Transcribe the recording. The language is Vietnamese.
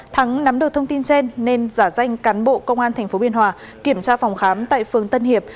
thắng nắm được thông tin trên nên giả danh cán bộ công an tp biên hòa kiểm tra phòng khám tại phường tân hiệp